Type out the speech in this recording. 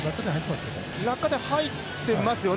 落下点、入ってますよね。